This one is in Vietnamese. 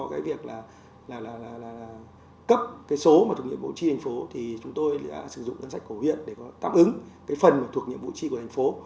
trong khi mà thành phố chưa có việc là cấp số thuộc nhiệm vụ chi thành phố thì chúng tôi đã sử dụng ngân sách của huyện để tạm ứng phần thuộc nhiệm vụ chi của thành phố